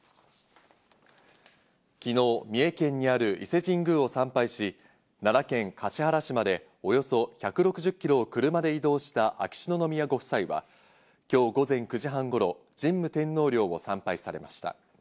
昨日、三重県にある伊勢神宮を参拝し、奈良県橿原市までおよそ１６０キロを車で移動した秋篠宮ご夫妻は、今日午前９時半頃、神武天皇陵を参拝されました。